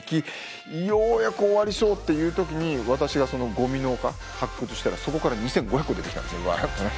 ようやく終わりそうっていう時に私がゴミの丘発掘したらそこから２，５００個出てきたんですよねわっとね。